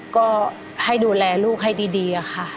ก็ให้ดูแลลูกให้ดีค่ะ